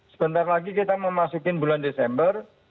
sebentar lagi kita memasuki bulan desember